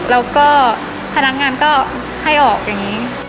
แล้วก็พนักงานก็ให้ออกอย่างนี้